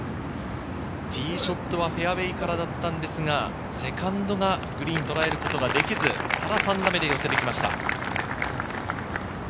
ティーショットはフェアウエーからだったんですが、セカンドがグリーンをとらえることができず、これが３打目で寄せてきました。